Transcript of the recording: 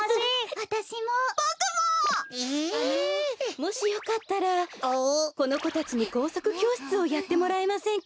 あのもしよかったらこのこたちにこうさくきょうしつをやってもらえませんか？